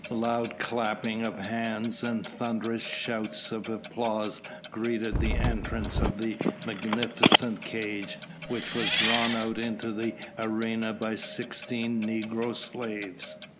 Loud clapping of hands and thunderous shouts of applause greeted the entrance of the magnificent cage which was drawn out into the arena by sixteen negro slaves.